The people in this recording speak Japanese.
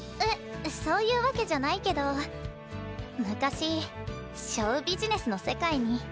えそういうわけじゃないけど昔ショウビジネスの世界に。